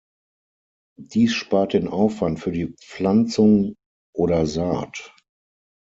Dies spart den Aufwand für die Pflanzung oder Saat.